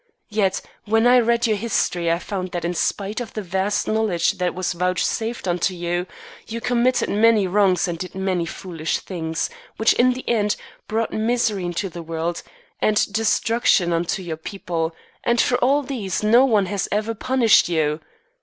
Yet when I read your history I found that in spite of the vast knowledge that was vouchsafed unto you, you committed many wrongs and did many foolish things, which in the end brought misery into the world and destruction unto your people; and for all these no one has ever punished you.